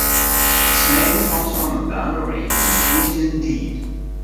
Its name comes from a boundary in an Indian deed.